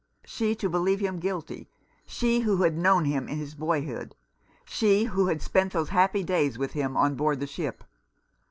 She to believe him guilty — she who had known him in his boyhood, she who had spent those happy days with him on board the ship.